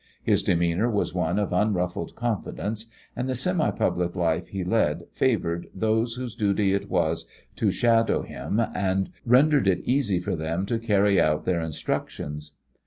His demeanour was one of unruffled confidence, and the semi public life he led favoured those whose duty it was to shadow him and rendered it easy for them to carry out their instructions.